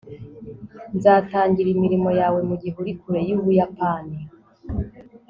nzatangira imirimo yawe mugihe uri kure yubuyapani